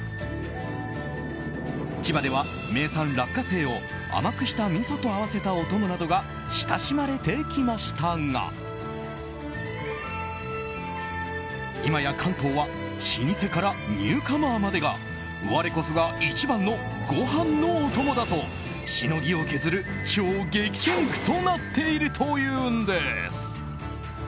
千葉では名産・落花生を甘くしたみそと合わせたお供などが親しまれてきましたが今や、関東は老舗からニューカマーまでが我こそが一番のご飯のお供だとしのぎを削る超激戦区となっているというんです。